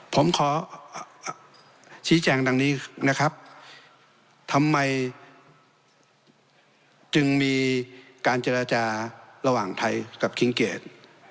ผมขอชี้แจงดังนี้นะครับทำไมจึงมีการเจรจาระหว่างไทยกับคิงเกด